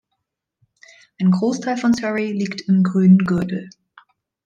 Ein Großteil von Surrey liegt im Grünen Gürtel.